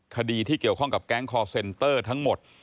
คดีที่เกี่ยวข้องกับแก๊งคอร์เซ็นเตอร์ทั้งหมด